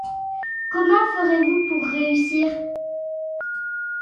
Comment ferez-vous pour réussir ?